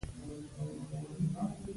زه غواړم نوی څه زده کړم.